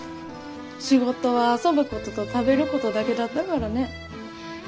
仕事は遊ぶことと食べることだけだったからねぇ。